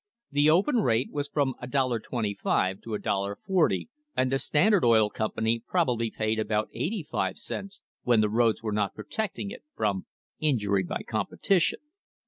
The open rate was from $1.25 to $1.40, and the Standard Oil Com pany probably paid about eighty five cents, when the roads were not protecting it from "injury by competition."